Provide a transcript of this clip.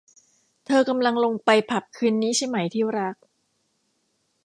เธอกำลังลงไปผับคืนนี้ใช่ไหมที่รัก ?